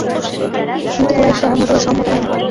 কিন্তু কুরাইশরা মোটেও সম্মত হয় না।